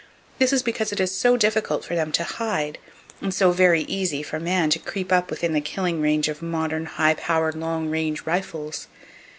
This is because it is so difficult for them to hide, and so very easy for man to creep up within the killing range of modern, high power, long range rifles.